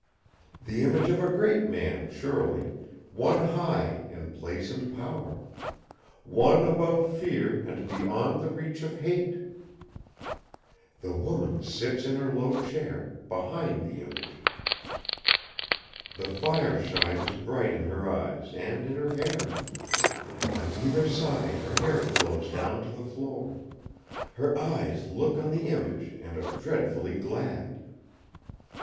The image of a great man, surely; one high in place and power. One above fear and beyond the reach of hate! "The woman sits in her low chair, behind the image. The fire shine is bright in her eyes and in her hair. On either side her hair flows down to the floor; her eyes look on the image and are dreadfully glad.